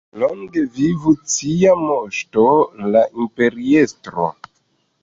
Longe vivu cia Moŝto, la Imperiestro!